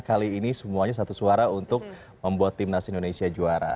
kali ini semuanya satu suara untuk membuat timnas indonesia juara